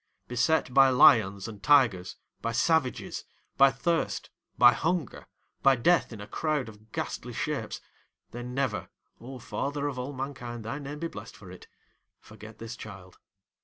Beset by lions and tigers, by savages, by thirst, by hunger, by death in a crowd of ghastly shapes, they never—O Father of all mankind, thy name be blessed for it!—forget this child.